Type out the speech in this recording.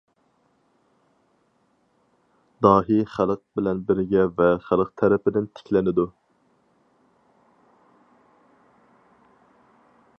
داھىي خەلق بىلەن بىرگە ۋە خەلق تەرىپىدىن تىكلىنىدۇ.